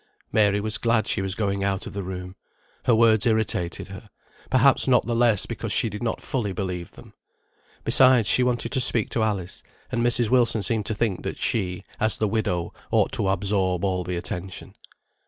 Mary was glad she was going out of the room. Her words irritated her; perhaps not the less because she did not fully believe them. Besides she wanted to speak to Alice, and Mrs. Wilson seemed to think that she, as the widow, ought to absorb all the attention.